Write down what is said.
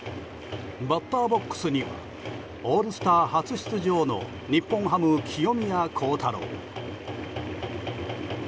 バッターボックスにはオールスター初出場の日本ハム、清宮幸太郎。